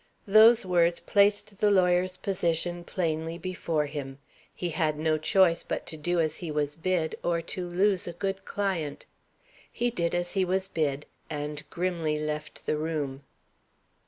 Those words placed the lawyer's position plainly before him. He had no choice but to do as he was bid, or to lose a good client. He did as he was bid, and grimly left the room.